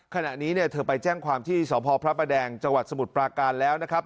ขณะนี้เนี่ยเธอไปแจ้งความที่สพพระประแดงจังหวัดสมุทรปราการแล้วนะครับ